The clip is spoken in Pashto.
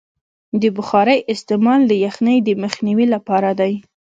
د بخارۍ استعمال د یخنۍ د مخنیوي لپاره دی.